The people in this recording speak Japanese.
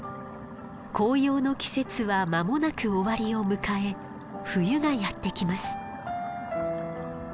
紅葉の季節はまもなく終わりを迎え冬がやって来ます。